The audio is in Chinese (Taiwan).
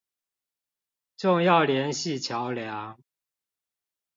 重要聯繫橋梁